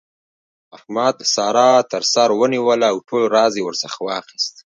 احمد؛ سارا تر سر ونيوله او ټول راز يې ورڅخه واخيست.